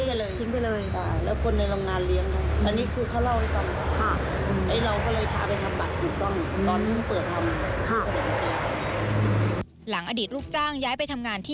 พอดที่นั่นแล้วคนในโรงงานเลี้ยงเขามันจนโต